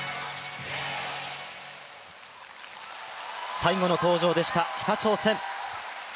最後の登場でした北朝鮮。